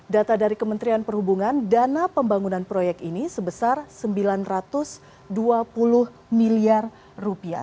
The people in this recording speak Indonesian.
data dari kementerian perhubungan dana pembangunan proyek ini sebesar rp sembilan ratus dua puluh miliar rupiah